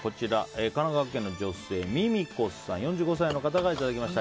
神奈川県の女性４５歳の方からいただきました。